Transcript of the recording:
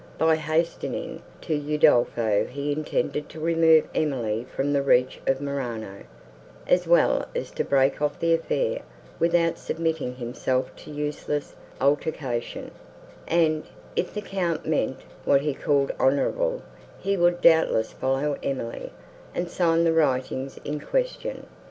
By hastening to Udolpho he intended to remove Emily from the reach of Morano, as well as to break off the affair, without submitting himself to useless altercation: and, if the Count meant what he called honourably, he would doubtless follow Emily, and sign the writings in question.